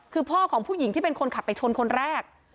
คือพ่อของผู้หญิงที่เป็นคนขับไปชนคนแรก